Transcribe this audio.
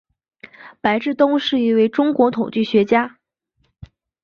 白志东是一位中国统计学家。